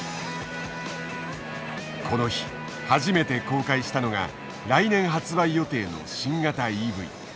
この日初めて公開したのが来年発売予定の新型ＥＶ。